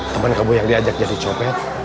teman kamu yang diajak jadi copet